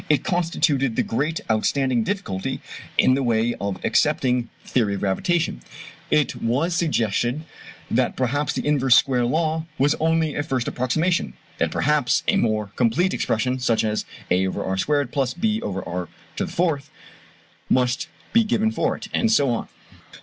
It constituted the great outstanding difficulty in the way of accepting the theory of gravitation. It was suggested that perhaps the inverse square law was only a first approximation; that perhaps a more complete expression, such as A B +, r^2 r^4 must be given for it; and so on.